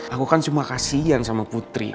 aku kan cuma kasian sama putri